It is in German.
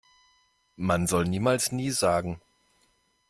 Man soll niemals nie sagen.